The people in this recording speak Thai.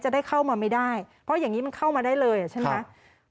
ได้เข้ามาไม่ได้เพราะอย่างนี้มันเข้ามาได้เลยใช่ไหม